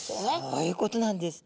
そういうことなんです。